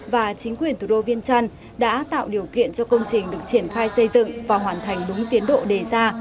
và chính quyền thủ đô viên trăn đã tạo điều kiện cho công trình được triển khai xây dựng và hoàn thành đúng tiến độ đề ra